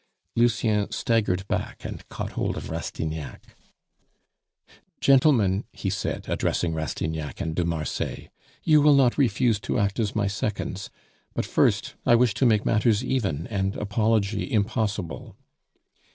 Lucien staggered back and caught hold of Rastignac. "Gentlemen," he said, addressing Rastignac and de Marsay, "you will not refuse to act as my seconds. But first, I wish to make matters even and apology impossible."